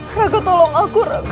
raka tolong aku raka